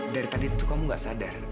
dari tadi itu kamu gak sadar